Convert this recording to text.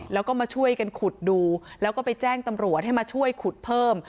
แล้วก็มาช่วยกันขุดดูแล้วก็ไปแจ้งตำรวจให้มาช่วยขุดเพิ่ม